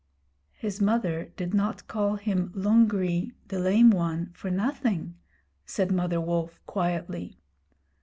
'His mother did not call him Lungri [the Lame One] for nothing,' said Mother Wolf, quietly.